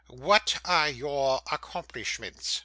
'What are your accomplishments?